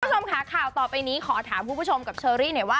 ทุกทวงคลับคาวต่อไปนี้ขอถามผู้ชมกับเชอรี่เนี่ยว่า